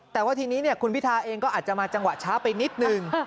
แต่ว่าทีนี้คุณพิทาเองก็อาจจะมาจังหวะช้าไปนิดนึง